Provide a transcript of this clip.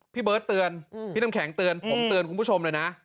พี่เบิร์ตเตือนพี่น้ำแข็งเตือนผมเตือนคุณผู้ชมเลยนะ